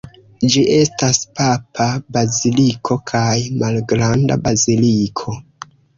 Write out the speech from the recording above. Ĝi estas papa baziliko kaj malgranda baziliko.